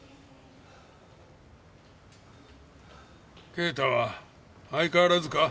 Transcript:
啓太は相変わらずか？